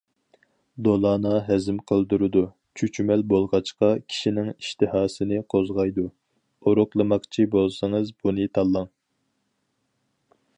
دولانا ھەزىم قىلدۇرىدۇ، چۈچۈمەل بولغاچقا كىشىنىڭ ئىشتىھاسىنى قوزغايدۇ، ئورۇقلىماقچى بولسىڭىز بۇنى تاللاڭ.